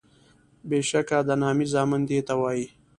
بیشکه د نامي زامن دیته وایي